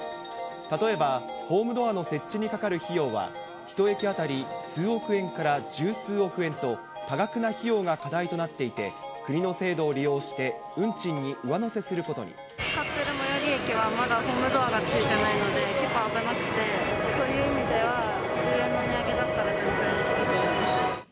例えば、ホームドアの設置にかかる費用は１駅当たり数億円から十数億円と、多額な費用が課題となっていて、国の制度を利用して、運賃に上乗使っている最寄り駅は、まだホームドアがついていないので、結構危なくて、そういう意味では、１０円の値上げだったら全然いいと思います。